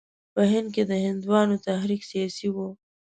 په هند کې د هندوانو تحریک سیاسي وو.